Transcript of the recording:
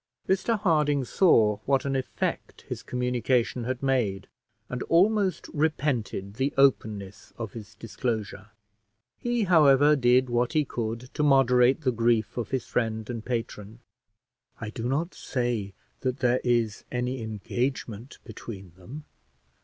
Mr Harding saw what an effect his communication had made, and almost repented the openness of his disclosure; he, however, did what he could to moderate the grief of his friend and patron. "I do not say that there is any engagement between them.